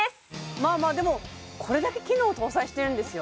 まあまあでもこれだけ機能搭載してるんですよ